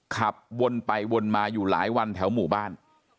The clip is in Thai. ขับวนไปวนมาอยู่หลายวันแถวหมู่บ้าน